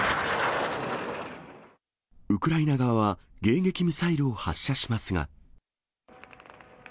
ウクライナ側は迎撃ミサイルを発射しますが。